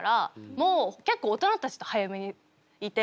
もう結構大人たちと早めにいて。